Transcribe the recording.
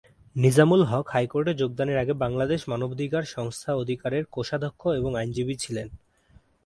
নিজামুল হক হাইকোর্টে যোগদানের আগে বাংলাদেশ মানবাধিকার সংস্থা অধিকার এর কোষাধ্যক্ষ এবং আইনজীবী ছিলেন।